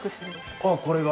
ああこれが？